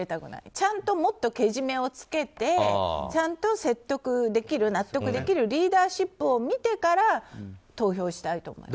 ちゃんと、もっとけじめをつけてちゃんと説得できる、納得できるリーダーシップを見てから投票したいと思います。